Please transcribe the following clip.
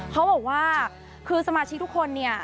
เขาบอกว่าคือสมาชิกทุกคนเนี่ย